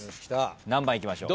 何番いきましょう？